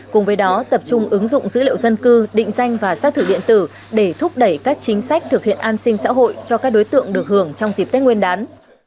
cùng với đó tập trung ứng dụng dữ liệu dân cư định danh và xác thử điện tử để thúc đẩy các chính sách thực hiện an sinh xã hội cho các đối tượng được hưởng trong dịp tết nguyên đán